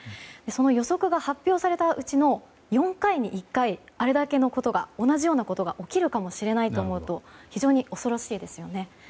その予測が発表されたうちの４回に１回あれだけのことが同じようなことが起きるかもしれないと思うと非常に恐ろしいですよね。